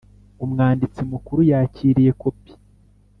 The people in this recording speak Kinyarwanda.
Umwanditsi mukuru yakiriyeho kopi